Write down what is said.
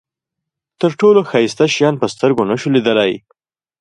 تر ټولو ښایسته شیان په سترګو نشو لیدلای.